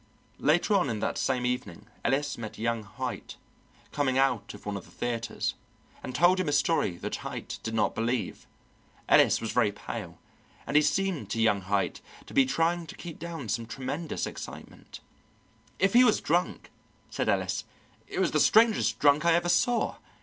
Later on in that same evening Ellis met young Haight coming out of one of the theatres, and told him a story that Haight did not believe. Ellis was very pale, and he seemed to young Haight to be trying to keep down some tremendous excitement. "If he was drunk," said Ellis, "it was the strangest drunk I ever saw.